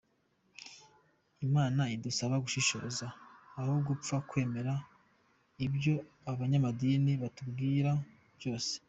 Imana idusaba “gushishoza” aho gupfa kwemera ibyo abanyamadini batubwira byose.